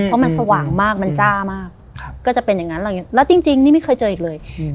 เพราะมันสว่างมากมันจ้ามากก็จะเป็นอย่างนั้นอะไรอย่างนี้แล้วจริงจริงนี่ไม่เคยเจออีกเลยอืม